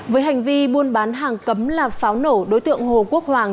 với hành vi buôn bán hàng cấm là pháo nổ đối tượng hồ quốc hoàng